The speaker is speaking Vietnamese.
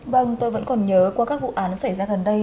vâng tôi vẫn còn nhớ qua các vụ án xảy ra gần đây